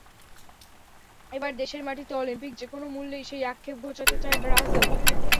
এবার দেশের মাটিতে অলিম্পিক, যেকোনো মূল্যেই সেই আক্ষেপ ঘোচাতে চায় ব্রাজিল।